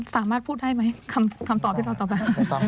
สามารถพูดได้ไหมคำตอบที่เราตอบไป